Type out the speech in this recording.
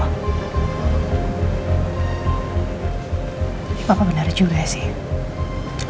tapi papa benar juga sih